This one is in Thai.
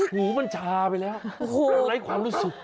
หูมันชาไปแล้วแล้วไร้ความรู้สึก